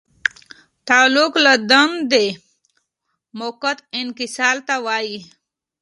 تعلیق له دندې موقت انفصال ته وایي.